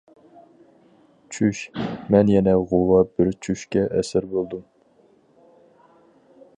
چۈش... مەن يەنە غۇۋا بىر چۈشكە ئەسىر بولدۇم.